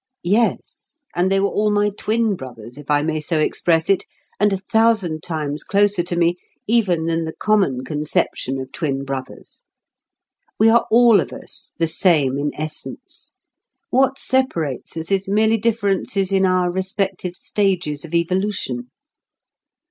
Yes, and they were all my twin brothers, if I may so express it, and a thousand times closer to me even than the common conception of twin brothers. We are all of us the same in essence; what separates us is merely differences in our respective stages of evolution.